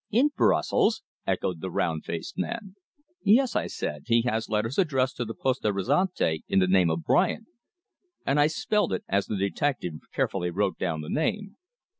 "In Brussels?" echoed the round faced man. "Yes," I said. "He has letters addressed to the Poste Restante in the name of Bryant." And I spelt it as the detective carefully wrote down the name.